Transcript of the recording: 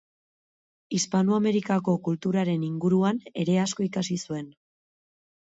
Hispanoamerikako kulturaren inguruan ere asko ikasi zuen.